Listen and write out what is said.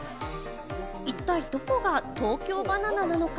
一体どこが東京ばな奈なのか？